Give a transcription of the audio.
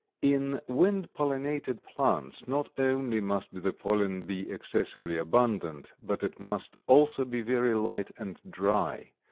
In wind pollinated plants not only must the pollen be excessively abundant, but it must also be very light and dry.